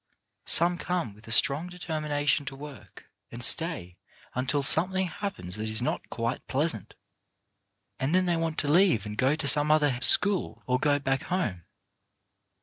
Some come with a strong determination to work, and stay until something happens that is not quite pleasant, and then they want to leave and go to some other school or go back home.